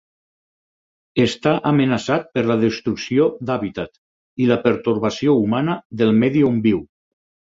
Està amenaçat per la destrucció d'hàbitat i la pertorbació humana del medi on viu.